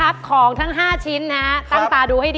อุปกรณ์ทำสวนชนิดใดราคาถูกที่สุด